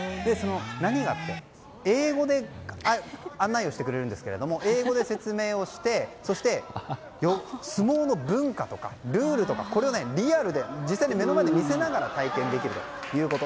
何がいいって英語で案内をしてくれるんですが英語で説明をしてそして、相撲の文化とかルールとかをリアルで実際に目の前で見せながら体験できるということ。